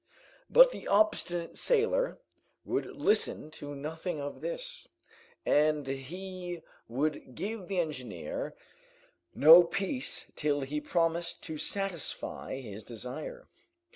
But the obstinate sailor would listen to nothing of this, and he would give the engineer no peace till he promised to satisfy his desire.